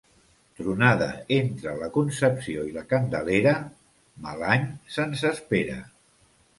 Tronada entre la Concepció i la Candelera, mal any se'ns espera.